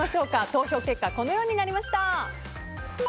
投票結果、こうなりました。